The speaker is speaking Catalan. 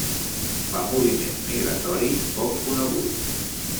Fa moviments migratoris poc coneguts.